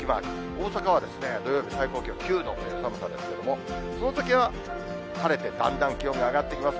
大阪は土曜日最高気温９度という寒さですけれども、その先は晴れて、だんだん気温が上がってきます。